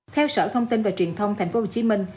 theo sở thông tin và truyền thông thành phố hồ chí minh